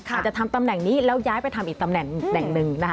อาจจะทำตำแหน่งนี้แล้วย้ายไปทำอีกตำแหน่งหนึ่งนะคะ